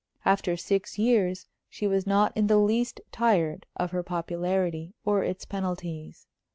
After six years she was not in the least tired of her popularity or its penalties.